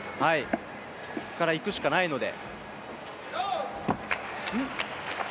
ここからいくしかないので。